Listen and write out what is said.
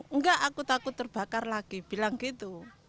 enggak aku takut terbakar lagi bilang gitu